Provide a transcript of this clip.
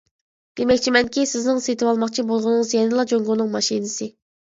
دېمەكچىمەنكى، سىزنىڭ سېتىۋالماقچى بولغىنىڭىز يەنىلا جۇڭگونىڭ ماشىنىسى.